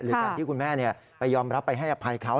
การที่คุณแม่ไปยอมรับไปให้อภัยเขา